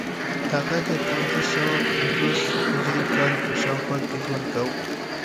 هغه د پنځه سوه پنځوس هجري کال په شاوخوا کې ژوند کاوه